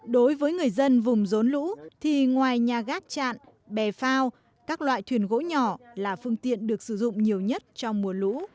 đối với người dân vùng rốn lũ thì ngoài nhà gác trạm bè phao các loại thuyền gỗ nhỏ là phương tiện được sử dụng nhiều nhất trong mùa lũ